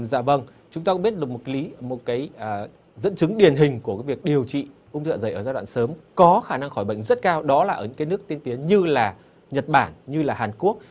dạ vâng chúng ta cũng biết được một cái dẫn chứng điển hình của cái việc điều trị ung thư dạ dày ở giai đoạn sớm có khả năng khỏi bệnh rất cao đó là ở những cái nước tiên tiến như là nhật bản như là hàn quốc